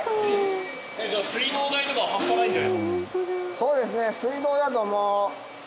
そうですね。